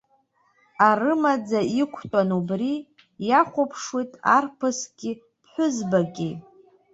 Арымӡ иқәтәаны убри иахәаԥшуеит арԥыски ԥҳәызбаки.